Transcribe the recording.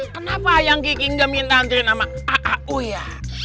kenapa ayang kiki gak minta antrein sama aau ya